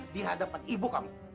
di hadapan ibu kamu